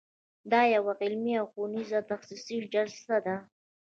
دا یوه علمي او ښوونیزه تخصصي جلسه ده.